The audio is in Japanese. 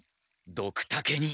ドクタケに。